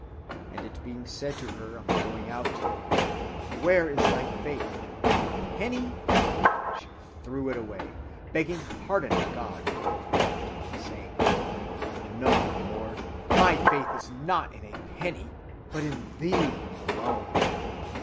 And it being said to her in the going out, Where is thy faith? in a penny? she threw it away, begging pardon of God for her fault, and saying, 'No, Lord, my faith is not in a penny, but in thee alone.